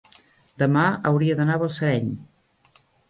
demà hauria d'anar a Balsareny.